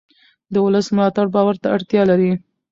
د ولس ملاتړ باور ته اړتیا لري